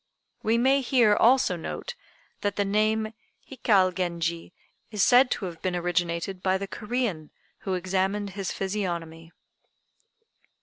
We may here also note that the name Hikal Genji is said to have been originated by the Corean who examined his physiognomy.